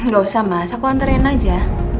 gak usah mas aku antrean aja